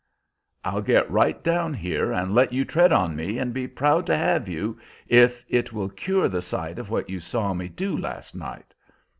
"I'll get right down here and let you tread on me, and be proud to have you, if it will cure the sight of what you saw me do last night.